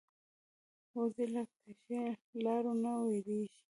وزې له کږو لارو نه وېرېږي